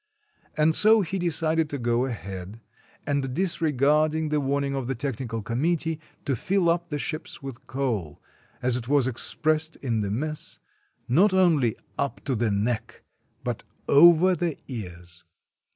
And so he decided to go ahead, and disregarding the warning of the Technical Committee, to fill up the ships with coal — as it was expressed in the mess — not only "up to the neck, but over the ears."